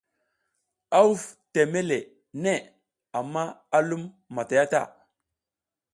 A huv teme le neʼe amma a lum matay a ta.